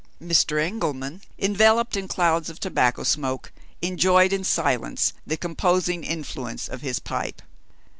Mr. Engelman, enveloped in clouds of tobacco smoke, enjoyed in silence the composing influence of his pipe.